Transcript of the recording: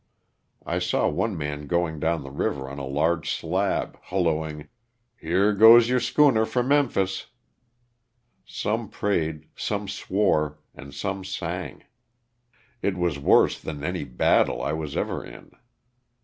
I saw one man going down the river on a large slab hallooing :Here goes your schooner for Memphis." Some prayed, some swore and some sang. It was worse than any battle I was ever in.